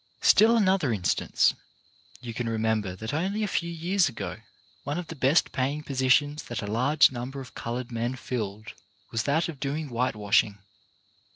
Still another instance. You can remember that only a few years ago one of the best paying positions that a large number of coloured men filled was that of doing whitewashing.